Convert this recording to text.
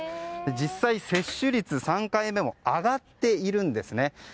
実際、接種率３回目も上がっているんですね。